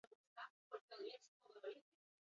Gainera hainbat aldizkaritan artikuluak ere idatzi ditu.